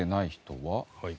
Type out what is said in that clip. はい。